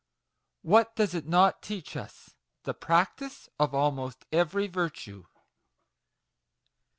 What does it not teach us ? the practice of almost every virtue."